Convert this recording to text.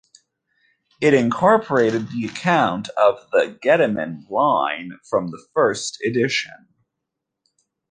It incorporated the account of the Gediminid line from the first edition.